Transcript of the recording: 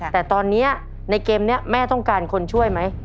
แต่ตอนนี้ในเกมนี้แม่ต้องการคนช่วยไหม